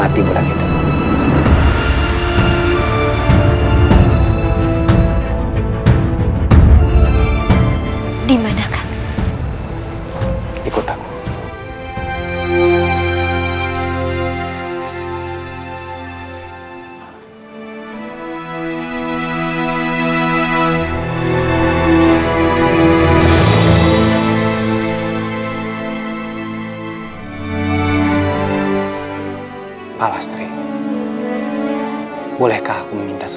seorang anak lelaki